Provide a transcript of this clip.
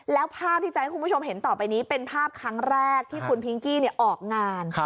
แล้วภาพที่จะให้คุณผู้ชมเห็นต่อไปนี้เป็นภาพครั้งแรกที่คุณพิงกี้ออกงาน